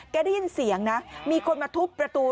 ได้ยินเสียงนะมีคนมาทุบประตู